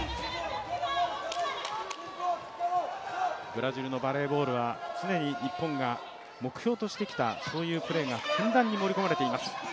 ブラジルのバレーボールは常に日本が目標としてきた、そういうプレーがふんだんに盛り込まれています。